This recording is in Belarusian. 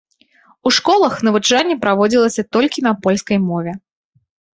У школах навучанне праводзілася толькі на польскай мове.